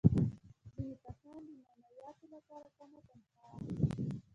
ځینې کسان د معنویاتو لپاره کمه تنخوا اخلي